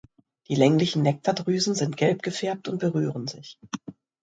Die länglichen Nektardrüsen sind gelb gefärbt und berühren sich.